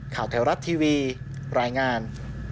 แถวรัฐทีวีรายงาน